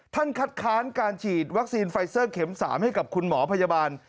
คัดค้านการฉีดวัคซีนไฟเซอร์เข็ม๓ให้กับคุณหมอพยาบาล